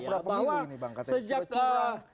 pura pura pemilu ini bang kata kata yang curang